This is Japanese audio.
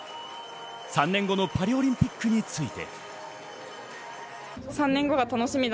３年後のパリオリンピックについて。